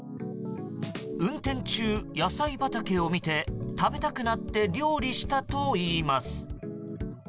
運転中、野菜畑を見て食べたくなって料理したといいます。